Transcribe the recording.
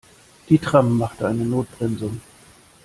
Die Tram machte eine Notbremsung.